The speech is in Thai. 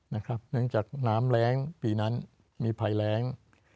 เนื่องจากน้ำแรงปีนั้นมีภัยแรง